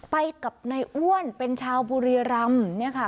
ไปกับนายอ้วนเป็นชาวบุรีรำ